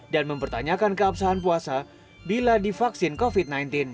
dan mempertanyakan keabsahan puasa bila divaksin covid sembilan belas